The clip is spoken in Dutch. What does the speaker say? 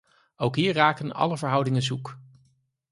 Ook hier raken alle verhoudingen zoek.